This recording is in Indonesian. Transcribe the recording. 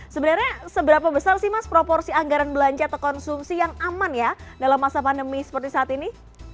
sebenarnya seberapa besar sih mas proporsi anggaran belanja atau konsumsi yang aman ya dalam masa pandemi seperti saat ini